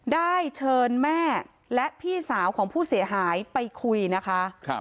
ได้เชิญแม่และพี่สาวของผู้เสียหายไปคุยนะคะ